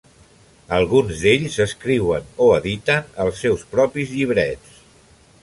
Alguns d'ells escriuen o editen els seus propis llibrets.